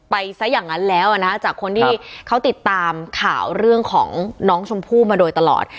ซะอย่างนั้นแล้วอ่ะนะจากคนที่เขาติดตามข่าวเรื่องของน้องชมพู่มาโดยตลอด